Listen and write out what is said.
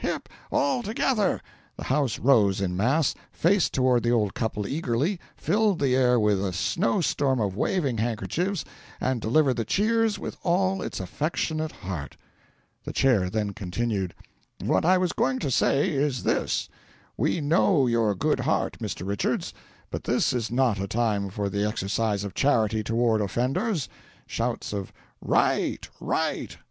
hip! all together!" The house rose in mass, faced toward the old couple eagerly, filled the air with a snow storm of waving handkerchiefs, and delivered the cheers with all its affectionate heart. The Chair then continued: "What I was going to say is this: We know your good heart, Mr. Richards, but this is not a time for the exercise of charity toward offenders. (Shouts of "Right! right!")